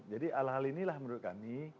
jadi ala hal inilah menurut kami